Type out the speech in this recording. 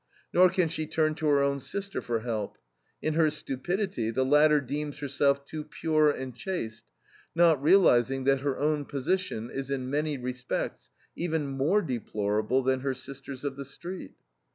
Nor can she turn to her own sister for help. In her stupidity the latter deems herself too pure and chaste, not realizing that her own position is in many respects even more deplorable than her sister's of the street.